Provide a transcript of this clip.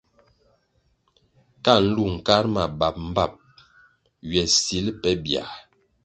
Ka nlu nkar ma bap mbpap ywe sil pe biãh.